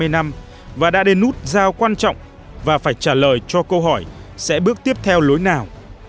hai mươi năm và đã đến nút giao quan trọng và phải trả lời cho câu hỏi sẽ bước tiếp theo lối nào